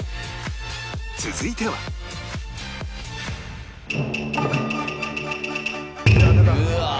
続いてはうわー！